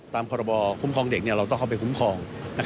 ตามพรบคุ้มครองเด็กเราต้องเข้าไปคุ้มครอง